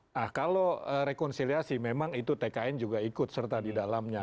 nah kalau rekonsiliasi memang itu tkn juga ikut serta di dalamnya